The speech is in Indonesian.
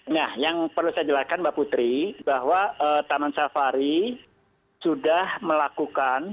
nah yang perlu saya jelaskan mbak putri bahwa taman safari sudah melakukan